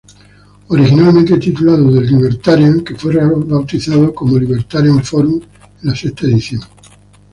Originalmente titulado "The Libertarian", que fue rebautizado como Libertarian Forum en la sexta edición.